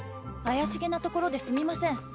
怪しげな所ですみません。